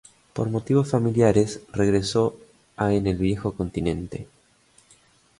Por motivos familiares regresó a en el viejo continente.